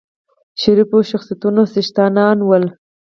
شریفو شخصیتونو څښتنان ول.